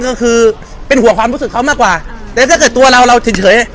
ก็คือเป็นห่วงความรู้สึกเขามากกว่าแต่ถ้าเกิดตัวเราเราเฉย